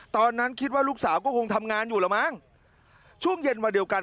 ตอนนั้นคิดว่าลูกสาวก็คงทำงานอยู่แล้วมั้งช่วงเย็นวันเดียวกัน